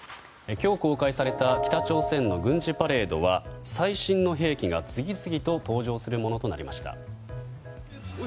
今日公開された北朝鮮の軍事パレードは最新の兵器が次々と登場するものとなりました。